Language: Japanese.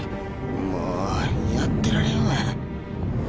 もうやってられんわ。